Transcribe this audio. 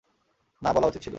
না বলা উচিত ছিল!